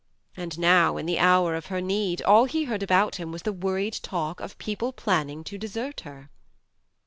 And now, in the hour of her need, all he heard about him was the worried talk of people planning to desert her